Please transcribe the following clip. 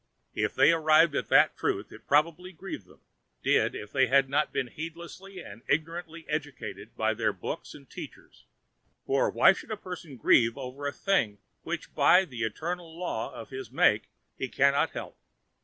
If they arrived at that truth it probably grieved them—did, if they had been heedlessly and ignorantly educated by their books and teachers; for why should a person grieve over a thing which by the eternal law of his make he cannot help?